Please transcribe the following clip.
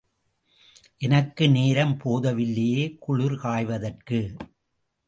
எனக்கு நேரம் போதவில்லையே குளிர் காய்வதற்கு.